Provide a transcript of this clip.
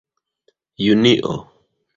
junio